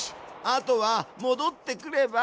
あとはもどってくれば。